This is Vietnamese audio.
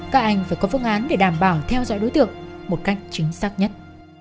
các anh phải có phương án để đảm bảo theo dõi đối tượng một cách chính xác nhất